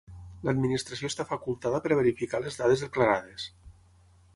L'Administració està facultada per verificar les dades declarades.